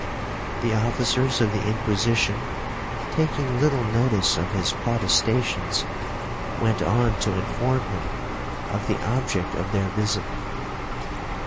The officers of the Inquisition, taking little notice of his protestations, went on to inform him of the object of their visit.